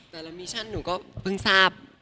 ลามิชั่นหนูก็เพิ่งทราบ